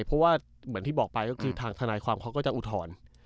เพราะว่าเหมือนที่บอกไปก็คือทางทนายความเขาก็จะอุทธรณ์